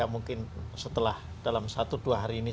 mungkin setelah dalam satu dua hari ini